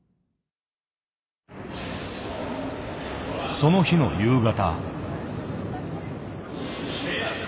その日の夕方。